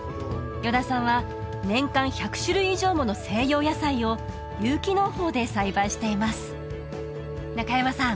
依田さんは年間１００種類以上もの西洋野菜を有機農法で栽培しています中山さん